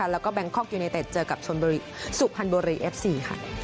แล้วก็แบงคกยูเนเต็ดเจอกับสุภัณฑ์บรีเอฟซี